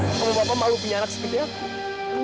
apa bapak malu punya anak seperti aku